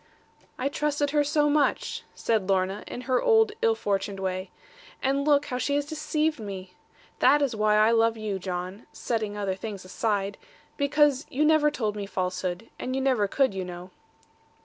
'I trusted her so much,' said Lorna, in her old ill fortuned way; 'and look how she has deceived me! That is why I love you, John (setting other things aside), because you never told me falsehood; and you never could, you know.'